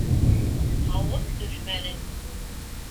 Һауын төшмәне.